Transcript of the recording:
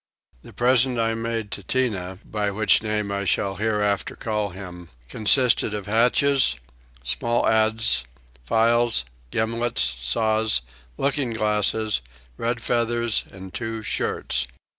The present I made to Tinah (by which name I shall hereafter call him) consisted of hatchets, small adzes, files, gimblets, saws, looking glasses, red feathers, and two shirts.